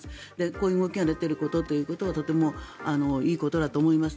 こういう動きが出ていることはとてもいいことだと思います。